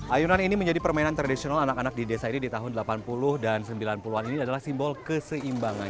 ayunan ini menjadi permainan tradisional anak anak di desa ini di tahun delapan puluh dan sembilan puluh an ini adalah simbol keseimbangan